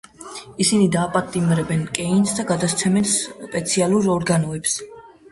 ისინი დააპატიმრებენ კეინს და გადასცემენ სპეციალურ ორგანოებს.